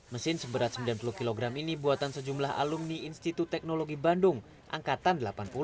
mesin seberat sembilan puluh kg ini buatan sejumlah alumni institut teknologi bandung angkatan delapan puluh